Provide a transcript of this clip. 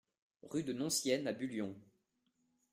Rue de Noncienne à Bullion